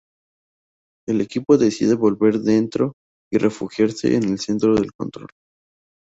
El equipo decide volver dentro y refugiarse en el centro de control.